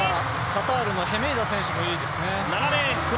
カタールのヘメイダ選手もいいですね。